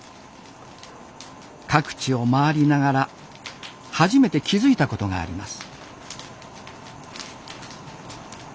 各地を回りながら初めて気付いたことがあります。